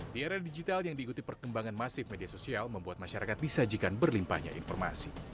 di era digital yang diikuti perkembangan masif media sosial membuat masyarakat disajikan berlimpahnya informasi